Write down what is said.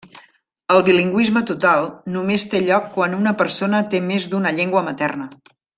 El bilingüisme total només té lloc quan una persona té més d'una llengua materna.